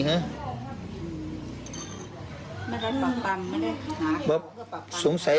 ไม่ได้ปังปังไม่ได้หาของ